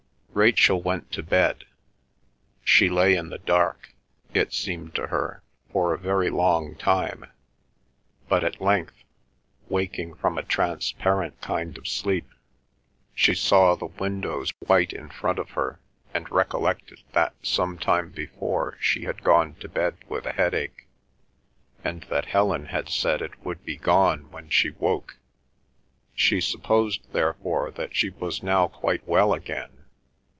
Rachel went to bed; she lay in the dark, it seemed to her, for a very long time, but at length, waking from a transparent kind of sleep, she saw the windows white in front of her, and recollected that some time before she had gone to bed with a headache, and that Helen had said it would be gone when she woke. She supposed, therefore, that she was now quite well again.